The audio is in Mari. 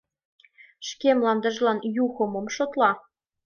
Шке мландыжлан Юхо мом шотла?